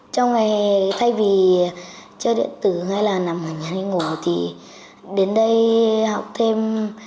trong ngày thay vì chơi điện tử ngay là nằm ở nhà ngủ thì đến đây học thêm